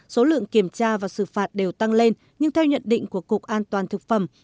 số lượng kiểm tra và xử phạt đều tăng lên nhưng theo nhận định của cục an toàn thực phẩm